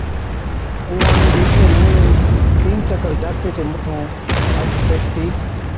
اُونھان نُون بِي اِسڙي نمُوني تين چڪر جاکَتي چي مَٿُون ھٿ سيڪتِي